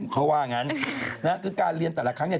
เพราะว่างั้นก็การเรียนแต่ละครั้ง